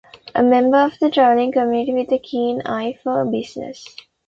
A member of the travelling community with a keen eye for business.